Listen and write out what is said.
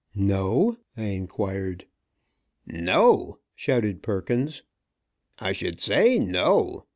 "No?" I inquired. "No!" shouted Perkins. "I should say 'no!'